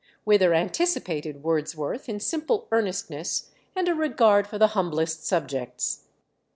Wither anticipated Wordsworth in simple earnestness and a regard for the humblest subjects.